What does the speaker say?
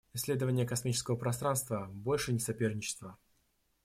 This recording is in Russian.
Исследование космического пространства — больше не соперничество.